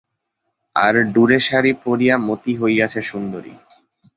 আর ডুরে শাড়ি পরিয়া মতি হইয়াছে সুন্দরী।